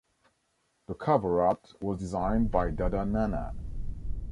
The cover art was designed by Dada Nana.